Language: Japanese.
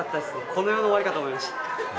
この世の終わりかと思いました。